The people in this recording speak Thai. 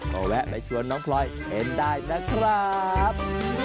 ก็แวะไปชวนน้องพลอยเห็นได้นะครับ